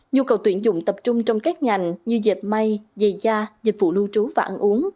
nhu cầu tuyển dụng tập trung trong các ngành như dệt may dày da dịch vụ lưu trú và ăn uống